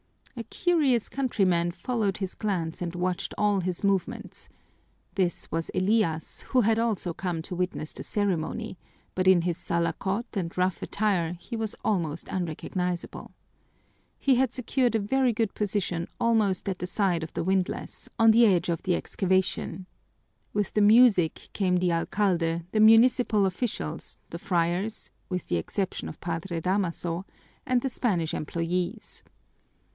A curious countryman followed his glance and watched all his movements; this was Elias, who had also come to witness the ceremony, but in his salakot and rough attire he was almost unrecognizable. He had secured a very good position almost at the side of the windlass, on the edge of the excavation. With the music came the alcalde, the municipal officials, the friars, with the exception of Padre Damaso, and the Spanish employees.